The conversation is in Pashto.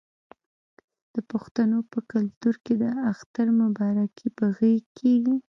د پښتنو په کلتور کې د اختر مبارکي په غیږ کیږي.